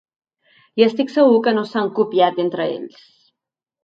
I estic segur que no s’han ‘copiat’ entre ells.